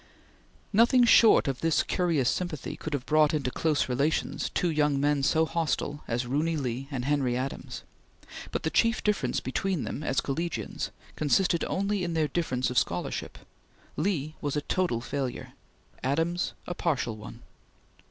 Nothing short of this curious sympathy could have brought into close relations two young men so hostile as Roony Lee and Henry Adams, but the chief difference between them as collegians consisted only in their difference of scholarship: Lee was a total failure; Adams a partial one.